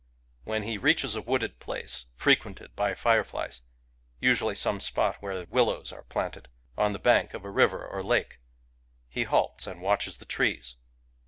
When he reaches a wooded place frequented by fireflies, — usually some spot where willows are planted, on the bank of a river or lake, — he halts and watches the trees.